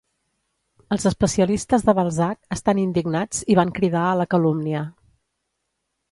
Els especialistes de Balzac estan indignats i van cridar a la calúmnia.